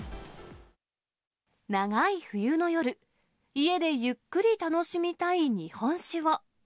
長い冬の夜、家でゆっくり楽しみたい日本酒を。